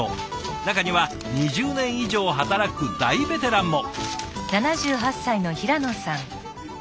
中には２０年以上働く大ベテランも。